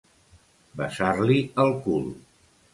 Besar-li el cul.